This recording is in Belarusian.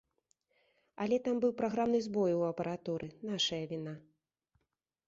Але там быў праграмны збой у апаратуры, нашая віна.